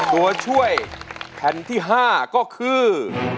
ตัวช่วยแผ่นที่๕ก็คือ